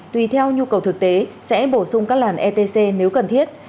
tùy theo nhu cầu thực tế sẽ bổ sung các làn etc nếu cần thiết